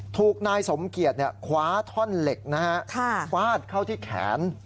ถูกนายสมเกียจคว้าท่อนเหล็กนะฮะฟาดเข้าที่แขน